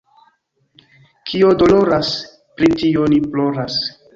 Kio doloras, pri tio ni ploras.